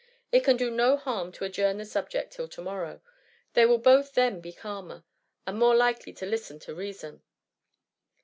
It can do no harm to adjourn the subject till to morrow : they will both then be calmer, and more likely to listen to reason.''